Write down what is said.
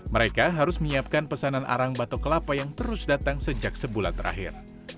mereka harus menyiapkan pesanan arang batok kelapa yang terus datang sejak sebulan terakhir